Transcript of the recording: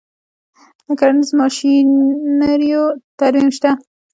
د کرنیزو ماشینریو ترمیم شته